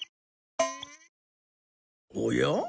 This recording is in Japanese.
おや？